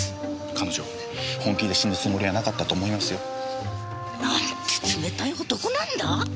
彼女本気で死ぬつもりはなかったと思いますよ。なんて冷たい男なんだ！